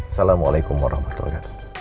assalamualaikum warahmatullahi wabarakatuh